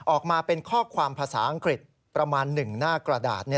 ออกมาเป็นข้อความภาษาอังกฤษประมาณ๑หน้ากระดาษ